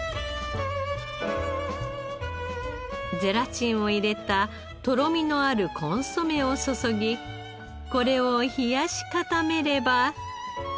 ゼラチンを入れたとろみのあるコンソメを注ぎこれを冷やし固めれば。